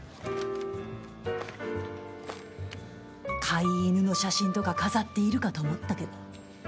飼い犬の写真とか飾っているかと思ったけど。